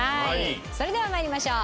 それでは参りましょう。